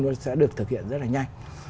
nó sẽ được thực hiện rất là nhanh